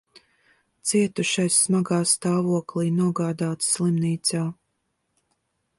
Cietušais smagā stāvoklī nogādāts slimnīcā.